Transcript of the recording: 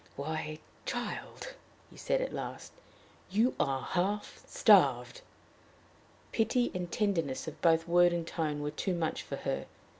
"Why, child!" he said at last, "you are half starved!" The pity and tenderness of both word and tone were too much for her.